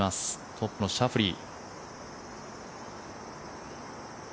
トップのシャフリー。